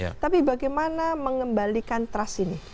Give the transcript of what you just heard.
tapi bagaimana mengembalikan trust ini